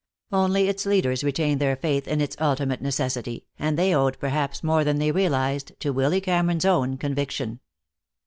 Only its leaders retained their faith in its ultimate necessity, and they owed perhaps more than they realized to Willy Cameron's own conviction.